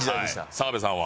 澤部さんは？